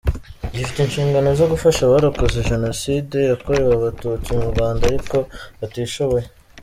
Gifite inshingano yo gufasha abarokotse Jenoside yakorewe Abatutsi mu Rwanda ariko batishoboye.